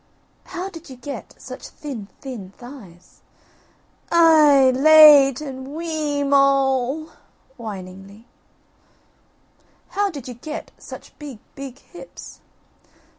"How did you get such thin thin thighs?" "Aih h h! late and wee e e moul" (whiningly). "How did you get such big big hips?"